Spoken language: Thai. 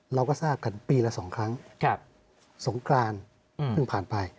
เราก็ทราบกันปีละ๒ครั้งสงกรานเพิ่งผ่านไป